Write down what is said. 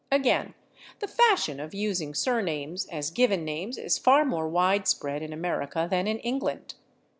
Again, the fashion of using surnames as given names is far more widespread in America than in England.